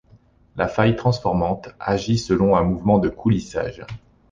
La faille transformante agit selon un mouvement de coulissage.